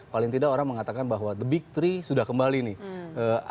paling tidak orang mengatakan bahwa the big tiga sudah kembali nih